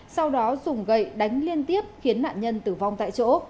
sau đó dùng gậy đánh liên tiếp khiến nạn nhân tử vong tại chỗ